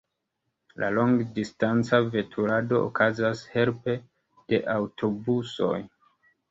La longdistanca veturado okazas helpe de aŭtobusoj.